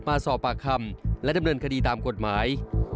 มาสอบปากคำและดำเนินคดีตามกฎหมาย